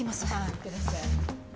いってらっしゃい。